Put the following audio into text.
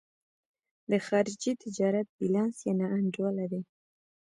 د خارجي تجارت بیلانس یې نا انډوله دی.